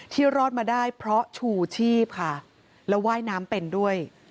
รอดมาได้เพราะชูชีพค่ะแล้วว่ายน้ำเป็นด้วย